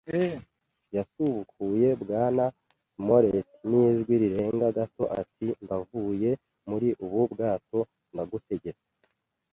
yasubukuye Bwana Smollett, n'ijwi rirenga gato, ati: "Ndavuye muri ubu bwato, ndagutegetse